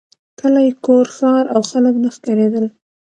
کلی کور ښار او خلک نه ښکارېدل.